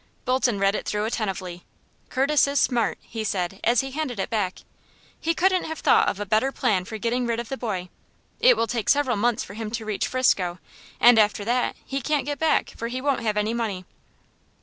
Bolton read it through attentively. "Curtis is smart," he said, as he handed it back. "He couldn't have thought of a better plan for getting rid of the boy. It will take several months for him to reach 'Frisco, and after that he can't get back, for he won't have any money."